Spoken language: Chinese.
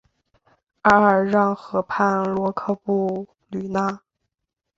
阿尔让河畔罗科布吕讷。